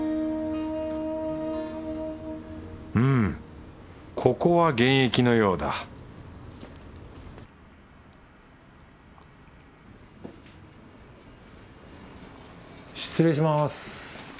うんここは現役のようだ失礼します。